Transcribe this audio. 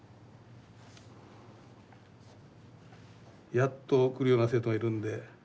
やっと来るような生徒がいるんで。